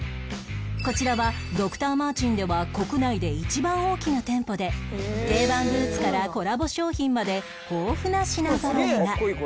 こちらは Ｄｒ．Ｍａｒｔｅｎｓ では国内で一番大きな店舗で定番ブーツからコラボ商品まで豊富な品ぞろえが